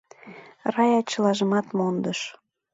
Рая чылажымат мондыш.